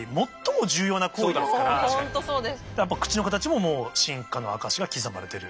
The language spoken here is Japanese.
やっぱ口の形ももう進化の証しが刻まれてる。